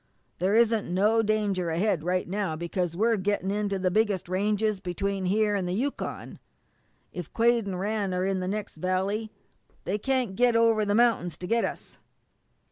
There isn't no danger ahead right now, because we're gettin' into the biggest ranges between here an' the Yukon. If Quade and Rann are in the next valley they can't get over the mount'ins to get at us.